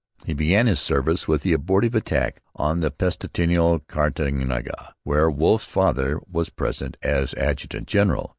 He began his service with the abortive attack on pestilential Cartagena, where Wolfe's father was present as adjutant general.